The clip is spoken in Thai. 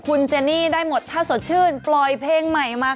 คุณเจนี่ได้หมดถ้าสดชื่นปล่อยเพลงใหม่มา